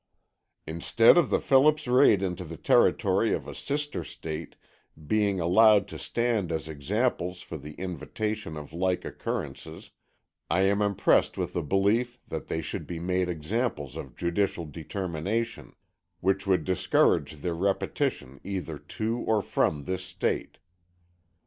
"Instead of the Phillips raid into the territory of a sister State being allowed to stand as examples for the invitation of like occurrences, I am impressed with the belief that they should be made examples of judicial determination, which would discourage their repetition either to or from this State."